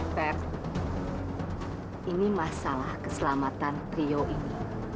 pat ini masalah keselamatan trio ini